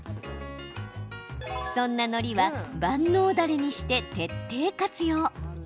そんなのりは万能ダレにして徹底活用。